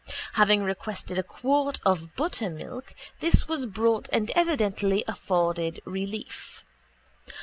Having requested a quart of buttermilk this was brought and evidently afforded relief.